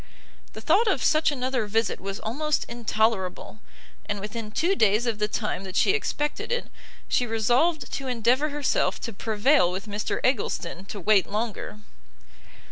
The thought of such another visit was almost intolerable; and within two days of the time that she expected it, she resolved to endeavour herself to prevail with Mr Eggleston to wait longer.